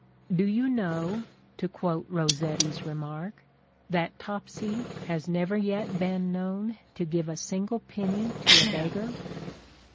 Do you know," to quote Rossetti's remark, "that *Topsy' has never yet been known to give a single penny to a beggar?"